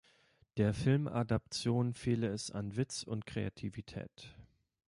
Der Filmadaption fehle es an Witz und Kreativität.